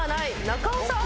中尾さん？